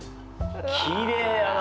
きれいやな！